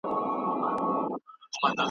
څوک د کلیوالي میرمنو د لاسي صنایعو ملاتړ کوي؟